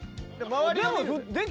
でも。